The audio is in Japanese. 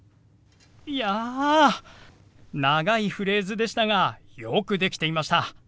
いや長いフレーズでしたがよくできていました。